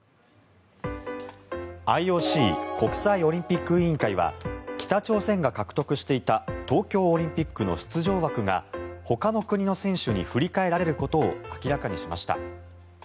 ＩＯＣ・国際オリンピック委員会は北朝鮮が獲得していた東京オリンピックの出場枠がほかの国の選手に振り替えられることを明らかにしました。